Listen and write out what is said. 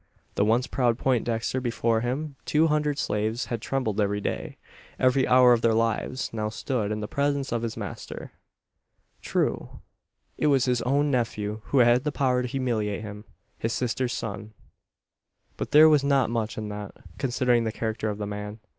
The once proud Poindexter before whom two hundred slaves had trembled every day, every hour of their lives, now stood in the presence of his master! True, it was his own nephew, who had the power to humiliate him his sister's son. But there was not much in that, considering the character of the man.